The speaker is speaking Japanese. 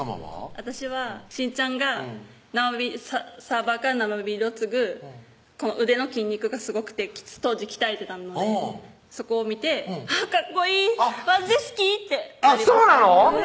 私はしんちゃんがサーバーから生ビールをつぐこの腕の筋肉がすごくて当時鍛えてたのでそこを見てあぁかっこいいわっぜ好き！ってあっそうなの？